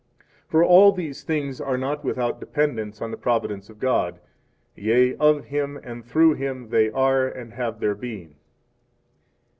For all of these things are not without dependence on the providence of God; yea, of Him and through Him they are and have their being.